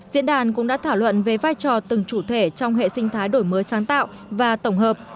diễn đàn cũng đã thảo luận về vai trò từng chủ thể trong hệ sinh thái đổi mới sáng tạo và tổng hợp